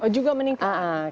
oh juga meningkat